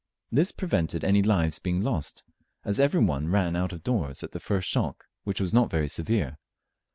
This prevented any lives being lost, as every one ran out of doors at the first shock, which was not very severe.